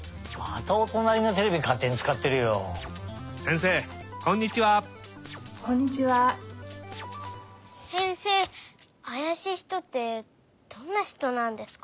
せんせいあやしい人ってどんな人なんですか？